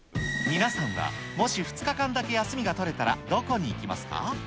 皆さんはもし２日間だけ休みが取れたらどこに行きますか。